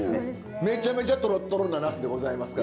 めちゃめちゃとろっとろなナスでございますから。